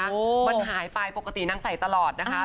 มันหายไปปกตินางใส่ตลอดนะคะ